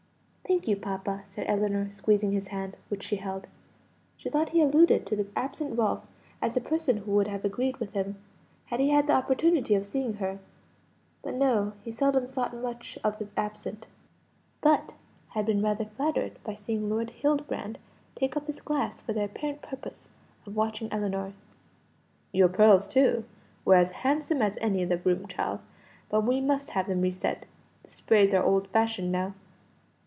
"Thank you, papa," said Ellinor, squeezing his hand, which she held. She thought he alluded to the absent Ralph as the person who would have agreed with him, had he had the opportunity of seeing her; but no, he seldom thought much of the absent; but had been rather flattered by seeing Lord Hildebrand take up his glass for the apparent purpose of watching Ellinor. "Your pearls, too, were as handsome as any in the room, child but we must have them re set; the sprays are old fashioned now.